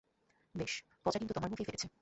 বেশ, পচা ডিম তো তোমার মুখেই ফেটেছে।